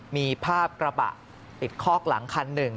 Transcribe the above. มีภาพกระบะติดคอกหลังคันหนึ่ง